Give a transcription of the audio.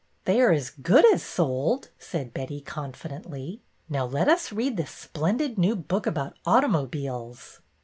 " They are as good as sold! " said Betty, con fidently. " Now let us read this splendid new book about automobiles."